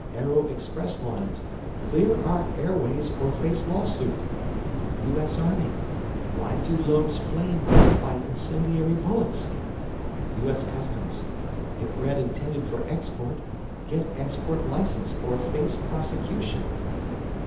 Aero expresslines: Clear our airways or face law suit. U. S. Army: Why do loaves flame when hit by incendiary bullets? U. S. Customs: If bread intended for export, get export license or face prosecution.